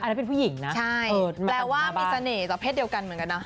อันนี้เป็นผู้หญิงนะใช่แปลว่ามีเสน่ห์ต่อเพศเดียวกันเหมือนกันนะ